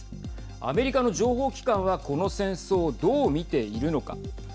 アメリカの情報機関はこの戦争をどう見ているのか。